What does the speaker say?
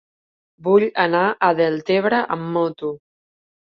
Vull anar a Deltebre amb moto.